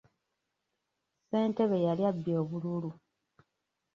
Ssentebe yali abbye obululu.